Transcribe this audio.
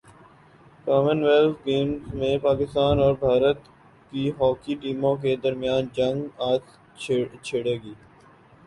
common wealth Games میں پاکستان اور بھارت کی ہاکی ٹیموں کے درمیان جنگ اج چھڑے گی